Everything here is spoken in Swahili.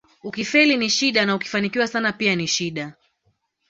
Ukifeli ni shida na ukifanikiwa sana pia ni shida